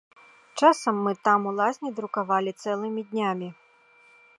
Часам мы там у лазні друкавалі цэлымі днямі.